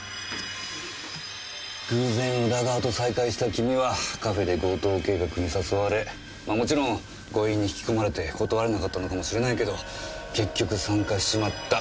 偶然宇田川と再会した君はカフェで強盗計画に誘われもちろん強引に引き込まれて断れなかったのかもしれないけど結局参加しちまった。